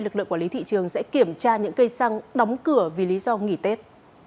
lực lượng quản lý thị trường sẽ kiểm tra những cây xăng đóng cửa vì lý do nghỉ tết